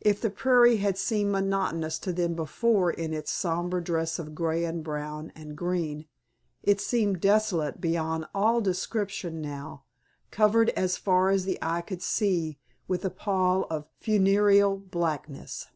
If the prairie had seemed monotonous to them before in its sombre dress of grey, and brown, and green, it seemed desolate beyond all description now, covered as far as the eye could see with a pall of funereal blackness.